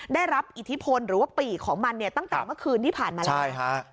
ได้รับอิทธิพลหรือว่าปีกของมันเนี่ยตั้งแต่เมื่อคืนที่ผ่านมาแล้วใช่ฮะ